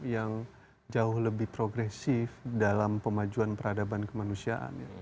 yang jauh lebih progresif dalam pemajuan peradaban kemanusiaan